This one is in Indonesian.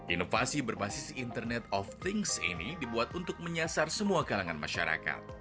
inovasi berbasis internet of things ini dibuat untuk menyasar semua kalangan masyarakat